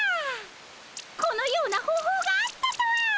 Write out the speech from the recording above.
このような方法があったとは。